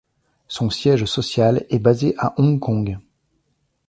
Son siège social est basé à Hong Kong.